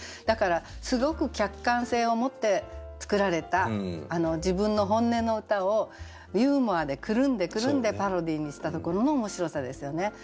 だからすごく客観性を持って作られた自分の本音の歌をユーモアでくるんでくるんでパロディーにしたところの面白さですよね。